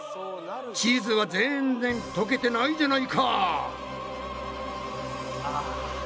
チーズはぜんぜん溶けてないじゃないか！